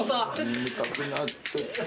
眠たくなってきた。